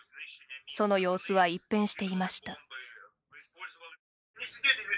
その様子は一変していました。